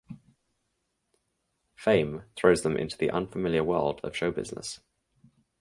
Fame throws them into the unfamiliar world of show business.